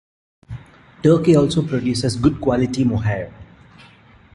Turkey also produces good-quality mohair.